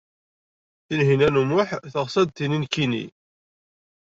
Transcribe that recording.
Tinhinan u Muḥ teɣs ad d-tini nekkni?